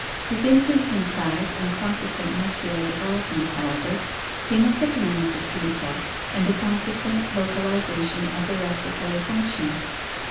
With in crease in size and consequent muscular development, however, came a thickening of the cuticle and a consequent localization of the respiratory function.